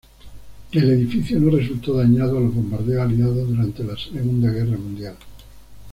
El edificio no resultó dañado a los bombardeos aliados durante la Segunda Guerra Mundial.